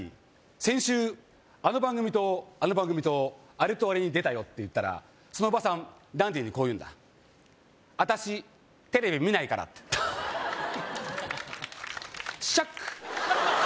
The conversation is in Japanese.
先週あの番組とあの番組とあれとあれに出たよって言ったらそのおばさんダンディにこう言うんだ「私テレビ見ないから」ってターショック！